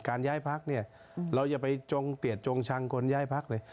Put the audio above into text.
การย่ายพักเนี่ยเราจะไปเจี๊ยดจงชังคนย้ายยายพักเลย